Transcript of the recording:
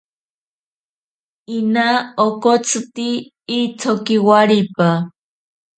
Ina okotsitzi itsoki waripa.